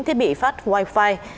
thiết bị phát wifi